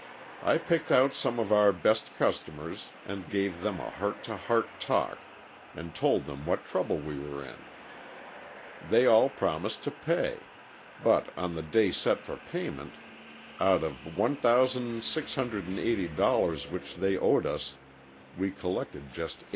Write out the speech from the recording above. I picked out some of our best customers and gave them a heart to heart talk and told them what trouble we were in. They all promised to pay; but on the day set for payment, out of $1,680 which they owed us we collected just $8.